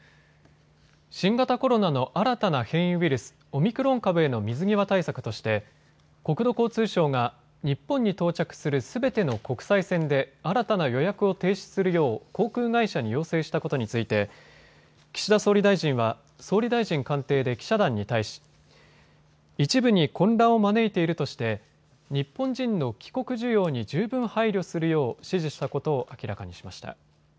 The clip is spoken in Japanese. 新型コロナの新たな変異ウイルス、オミクロン株への水際対策として国土交通省が日本に到着するすべての国際線で新たな予約を停止するよう航空会社に要請したことについて岸田総理大臣は総理大臣官邸で記者団に対し、一部に混乱を招いているとして日本人の帰国需要に十分配慮するよう指示したことを明らかにしました。